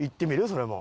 それも。